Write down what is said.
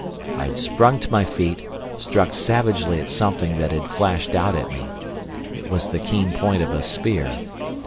I had sprung to my feet, struck savagely at something that had flashed out at me. It was the keen point of a spear.